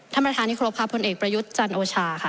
ท่านประธานที่ครบค่ะพลเอกประยุทธ์จันโอชาค่ะ